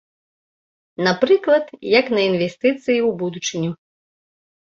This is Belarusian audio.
Напрыклад, як на інвестыцыі ў будучыню.